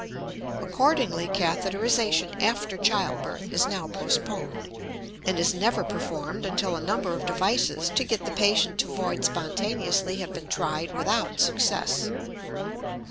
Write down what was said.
Accordingly catheterization after child birth is now postponed, and is never performed until a number of devices to get the patient to void spontaneously have been tried without success.